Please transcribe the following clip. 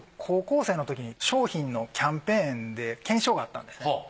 高校生のときに商品のキャンペーンで懸賞があったんですね。